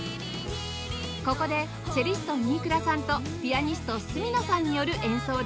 ここでチェリスト新倉さんとピアニスト角野さんによる演奏です